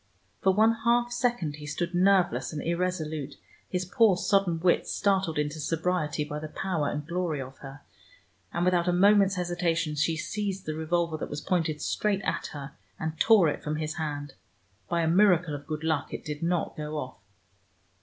For one half second he stood nerveless and irresolute, his poor sodden wits startled into sobriety by the power and glory of her, and without a moment's hesitation she seized the revolver that was pointed straight at her, and tore it from his hand. By a miracle of good luck it did not go off.